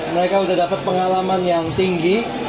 mereka sudah dapat pengalaman yang tinggi